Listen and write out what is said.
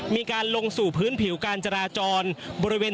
มีการลงสู่พื้นผิวการจราจรบริเวณ